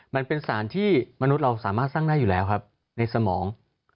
มันเป็นสารที่มนุษย์เราสามารถสร้างได้อยู่แล้วครับในสมอง